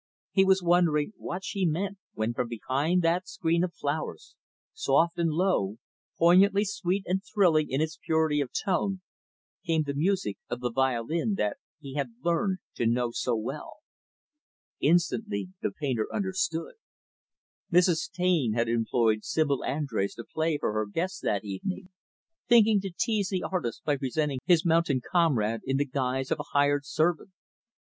He was wondering what she meant, when, from behind that screen of flowers, soft and low, poignantly sweet and thrilling in its purity of tone, came the music of the violin that he had learned to know so well. Instantly, the painter understood. Mrs. Taine had employed Sibyl Andrés to play for her guests that evening; thinking to tease the artist by presenting his mountain comrade in the guise of a hired servant.